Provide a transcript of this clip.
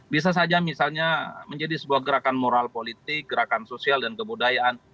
bisa saja misalnya menjadi sebuah gerakan moral politik gerakan sosial dan kebudayaan